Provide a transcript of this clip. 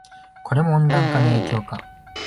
これも温暖化の影響か